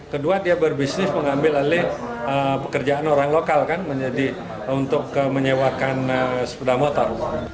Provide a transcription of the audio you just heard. kedua dia berbisnis mengambil alih pekerjaan orang lokal kan untuk menyewakan sepeda motor